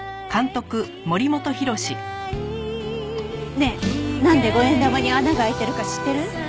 ねえなんで５円玉に穴が開いてるか知ってる？